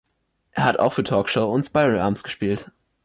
Er hat auch für Talk Show und Spiralarms gespielt.